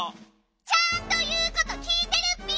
ちゃんということきいてるッピ！